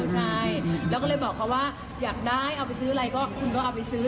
ใช่แล้วก็เลยบอกเขาว่าอยากได้เอาไปซื้ออะไรก็คุณก็เอาไปซื้อ